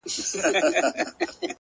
خدايه زما پر ځای ودې وطن ته بل پيدا که!!